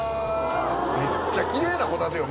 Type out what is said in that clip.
めっちゃきれいなホタテよ！